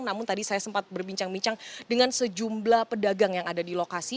namun tadi saya sempat berbincang bincang dengan sejumlah pedagang yang ada di lokasi